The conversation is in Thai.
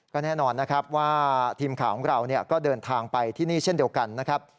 ก็แน่นอนนะครับว่าทีมข่าวของเราก็เดินทางไปที่นี่เช่นเดียวกันนะครับ